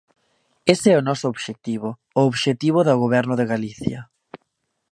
Ese é o noso obxectivo, o obxectivo do Goberno de Galicia.